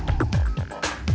pergi lo dari sini